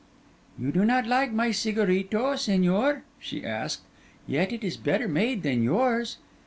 'You do not like my cigarrito, Señor?' she asked. 'Yet it is better made than yours.